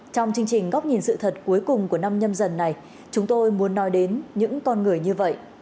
trong chương trình góc nhìn sự thật cuối cùng của năm nhâm dần này chúng tôi muốn nói đến những con người như vậy